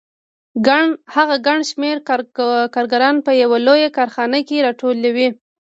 هغه ګڼ شمېر کارګران په یوه لویه کارخانه کې راټولوي